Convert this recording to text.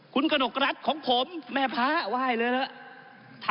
คุณกนกรัฐของผมแม่พระว่ายเลยนะครับ